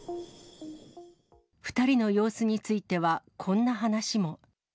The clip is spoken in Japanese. ２人の様子については、こんな話も。